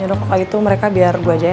ya udah kakak gitu mereka biar gue aja ya